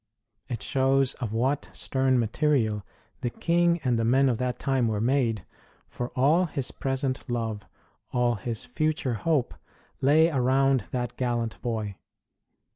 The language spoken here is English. It shows of what stern material the king and the men of that time were made, for all his present love, all his future hope, lay around that gallant boy.